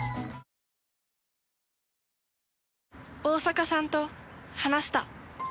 大坂さんと話した。